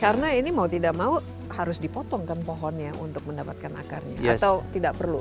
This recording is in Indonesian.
karena ini mau tidak mau harus dipotong kan pohonnya untuk mendapatkan akarnya atau tidak perlu